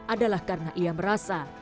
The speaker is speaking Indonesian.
adalah karena ia merasa